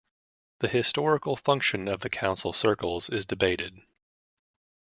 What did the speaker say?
The historical function of the council circles is debated.